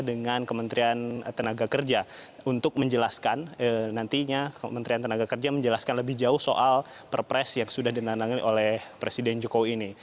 dengan kementerian tenaga kerja untuk menjelaskan nantinya kementerian tenaga kerja menjelaskan lebih jauh soal perpres yang sudah ditandangin oleh presiden jokowi ini